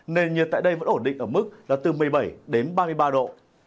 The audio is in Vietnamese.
nền nhiệt tại đây vẫn ổn định ở mức là từ một mươi bảy đến ba mươi ba độ